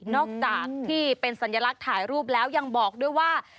จากที่เป็นสัญลักษณ์ถ่ายรูปแล้วยังบอกด้วยว่า